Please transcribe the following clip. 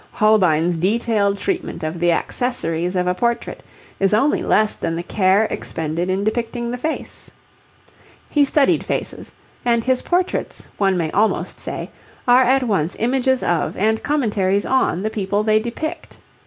Holbein's detailed treatment of the accessories of a portrait is only less than the care expended in depicting the face. He studied faces, and his portraits, one may almost say, are at once images of and commentaries on the people they depict.